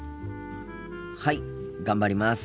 はい頑張ります！